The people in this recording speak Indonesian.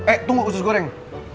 eh tunggu usus goreng